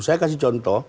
saya kasih contoh